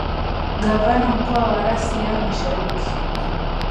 Gavana wa mkoa wa Rasi ya Mashariki